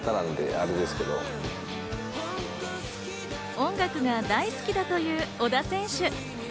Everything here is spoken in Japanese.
音楽が大好きだという小田選手。